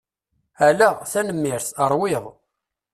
Ala, tenemmirt. Ṛwiɣ.